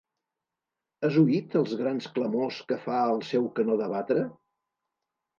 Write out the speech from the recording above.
Has oït els grans clamors que fa el seu canó de batre?